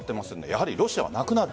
やはり、ロシアはなくなる。